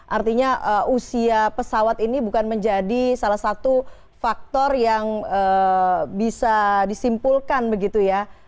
artinya usia pesawat ini bukan menjadi salah satu faktor yang bisa disimpulkan begitu ya